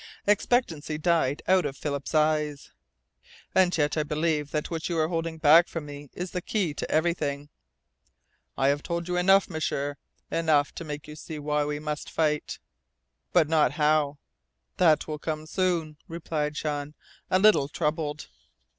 Expectancy died out of Philip's eyes. "And yet I believe that what you are holding back from me is the key to everything." "I have told you enough, M'sieur enough to make you see why we must fight." "But not how." "That will come soon," replied Jean, a little troubled.